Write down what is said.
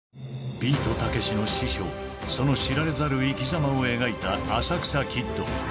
ビートたけしの師匠、そのしられざるいきざまを描いた、浅草キッド。